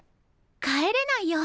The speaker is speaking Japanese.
帰れないよ。